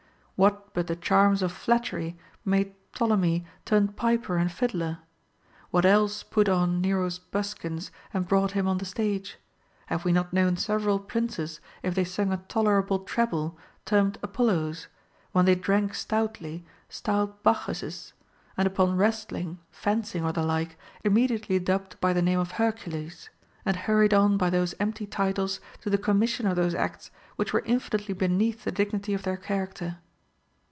What but the charms of flattery made Ptolemy turn piper and fiddler \ What else put on Nero's buskins and brought him on the stage ? Have Ave not known several princes, if they sung a toler able treble, termed Apollos ; when they drank stoutly, styled Bacchuses ; and upon wrestling, fencing, or the like, immediately clubbed by the name of Hercules, and hurried on by those empty titles to the commission of those acts which were infinitely beneath the dignity of their character